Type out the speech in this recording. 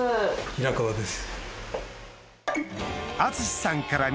平川です。